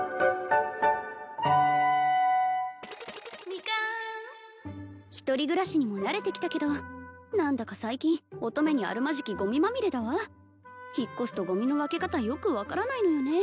ミカン一人暮らしにも慣れてきたけど何だか最近乙女にあるまじきゴミまみれだわ引っ越すとゴミの分け方よく分からないのよね